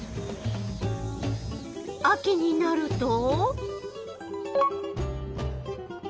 秋になると？